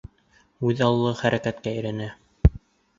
Үҙаллы хәрәкәткә өйрәнә.